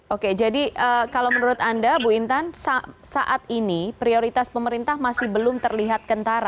oke jadi kalau menurut anda bu intan saat ini prioritas pemerintah masih belum terlihat kentara